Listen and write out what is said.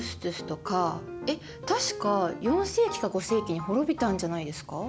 えっ確か４世紀か５世紀に滅びたんじゃないですか？